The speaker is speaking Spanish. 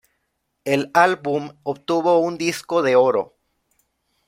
El álbum obtuvo un disco de oro.